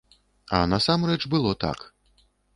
А насамрэч было так.